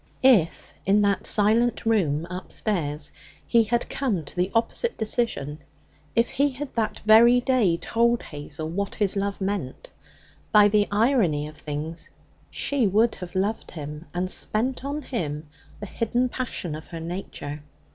If in that silent room upstairs he had come to the opposite decision; if he had that very day told Hazel what his love meant, by the irony of things she would have loved him and spent on him the hidden passion of her nature.